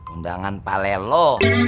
undangan pak lelo